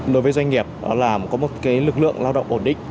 đối với doanh nghiệp đó là có một lực lượng lao động ổn định